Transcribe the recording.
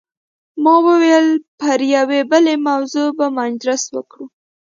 ما وویل پر یوې بلې موضوع به مجلس وکړو.